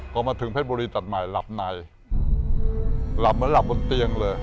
พอมาถึงเพชรบุรีตัดใหม่หลับในหลับเหมือนหลับบนเตียงเลย